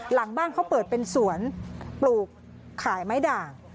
หลังบ้านเขาเปิดเป็นสวนปลูกขายไม้ด่าง